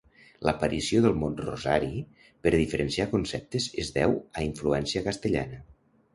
L'aparició del mot 'rosari' per diferenciar conceptes és deu a influència castellana.